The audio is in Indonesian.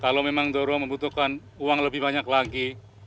kalau memang dorong membutuhkan uang lebih banyak lagi